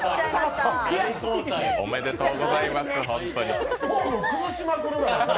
おめでとうございます、本当に。